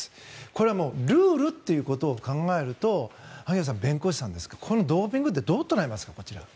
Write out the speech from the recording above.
これはルールということを考えると萩谷さん、弁護士さんですからこのドーピングってどう捉えますか？